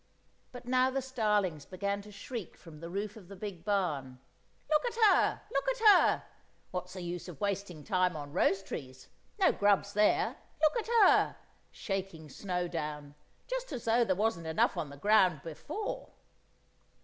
But now the starlings began to shriek from the roof of the big barn. "Look at her! Look at her! What's the use of wasting time on rose trees! No grub's there! Look at her! Shaking snow down! Just as though there wasn't enough on the ground before!"